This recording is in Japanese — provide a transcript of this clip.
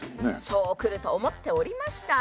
そうくると思っておりました。